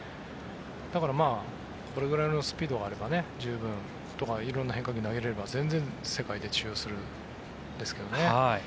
だから、これぐらいのスピードがあれば十分というか色んな変化球を投げられれば世界で通用するんですけどね。